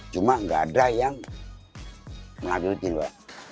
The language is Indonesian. cuma enggak ada yang melakukannya